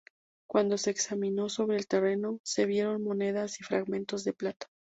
Cuando se examinó sobre el terreno, se vieron monedas y fragmentos de plata.